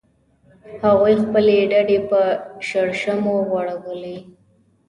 هغوی خپلې ډډې په شړشمو غوړولې